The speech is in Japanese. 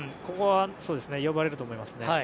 ここは呼ばれると思いますね。